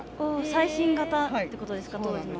最新型ってことですか当時の。